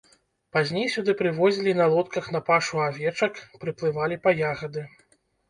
Пазней сюды прывозілі на лодках на пашу авечак, прыплывалі па ягады.